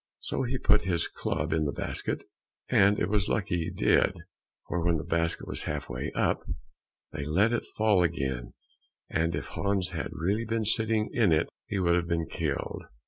So he put his club in the basket, and it was lucky he did; for when the basket was half way up, they let it fall again, and if Hans had really been sitting in it he would have been killed.